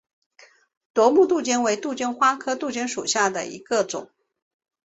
夺目杜鹃为杜鹃花科杜鹃属下的一个种。